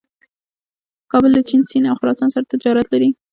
کابل له چین، سیند او خراسان سره تجارت لري.